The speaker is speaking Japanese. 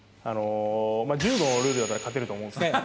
柔道のルールだったら勝てると思うんですけどね。